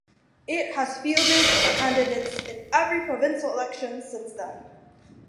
It has fielded candidates in every provincial election since then.